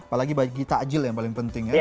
apalagi bagi takjil yang paling penting ya